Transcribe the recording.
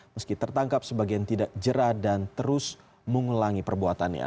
meski tertangkap sebagian tidak jerah dan terus mengulangi perbuatannya